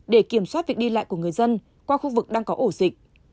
để kiểm soát việc đi lại của người dân qua khu vực đang có ổ dịch